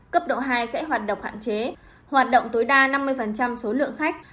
cấp độ hai sẽ hoạt động hạn chế hoạt động tối đa năm mươi số lượng khách